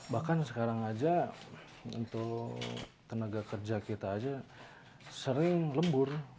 bahkan sekarang aja untuk tenaga kerja kita aja sering lembur